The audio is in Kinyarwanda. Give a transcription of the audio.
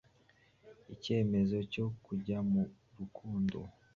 ikemezo cyo kujya mu rukundo.